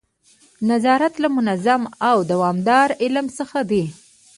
نظارت له منظم او دوامداره علم څخه دی.